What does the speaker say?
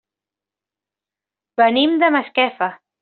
Venim de Masquefa.